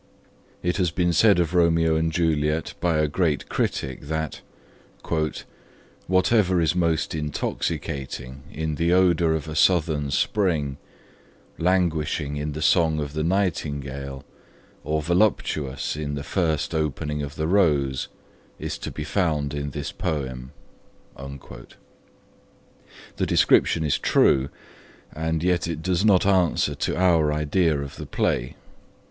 It has been said of ROMEO AND JULIET by a great critic, that 'whatever is most intoxicating in the odour of a southern spring, languishing in the song of the nightingale, or voluptuous in the first opening of the rose, is to be found in this poem'. The description is true; and yet it does not answer to our idea of the play.